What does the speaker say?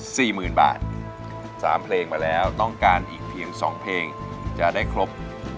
สี่หมื่นบาทสามเพลงมาแล้วต้องการอีกเพียงสองเพลงจะได้ครบ